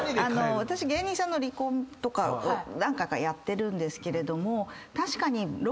私芸人さんの離婚とかを何回かやってるんですけれども確かに。